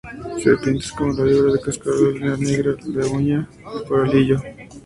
Serpientes como víbora de cascabel, la negra, de uña y coralillo.